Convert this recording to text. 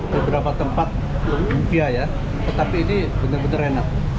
beberapa tempat lumpia ya tetapi ini bener bener enak